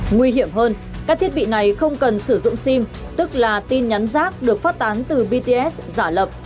nguy hiểm hơn các thiết bị này không cần sử dụng sim tức là tin nhắn rác được phát tán từ bts giả lập